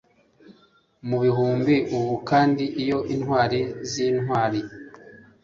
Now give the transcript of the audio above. Mu bihumbi ubu Kandi iyo intwari zintwari